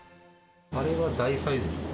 あれは大サイズですか？